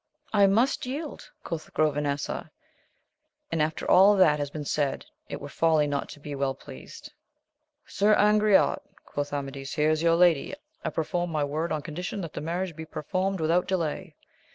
I must yield, quoth Orovenesa ; and, after all that has been said, it were folly not to be well pleased. Sir Angriote, quoth Amadis, here is your lady: I perform my word on condition that the marriage be performed without delay.